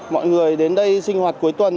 mọi người đến đây sinh hoạt cuối tuần